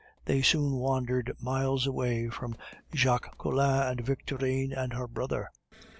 They soon wandered miles away from Jacques Collin and Victorine and her brother.